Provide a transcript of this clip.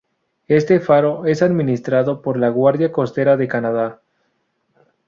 Este faro es administrado por la Guardia Costera de Canadá.